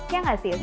ya gak sih